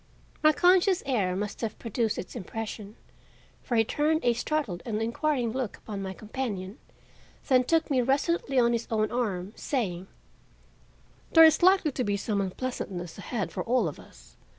My conscious air must have produced its impression, for he turned a startled and inquiring look upon my companion, then took me resolutely on his own arm, saying: "There is likely to be some unpleasantness ahead for all of us.